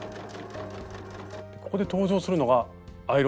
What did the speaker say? ここで登場するのがアイロンなんですよね。